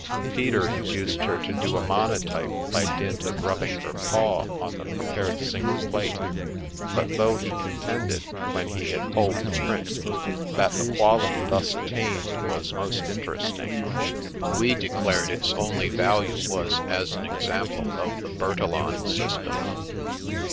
Peter induced her to 98 The Babes in St. John's Wood do a monotype by dint of rubbing her paw on the pre pared zinc plate, but though he contended, when he had pulled the print, that the quality thus attained was most interesting, we declared its only value was as an example of the Bertillon system.